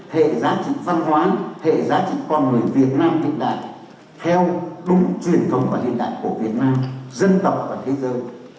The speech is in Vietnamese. hệ giá trị văn hóa hệ giá trị con người việt nam hiện đại theo đúng truyền thống và hiện đại của việt nam dân tộc và thế giới